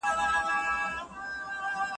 هېڅ